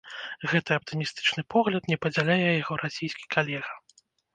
Гэты аптымістычны погляд не падзяляе яго расійскі калега.